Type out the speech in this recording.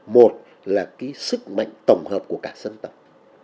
một là cái sức mạnh tổng hợp của cả dân tộc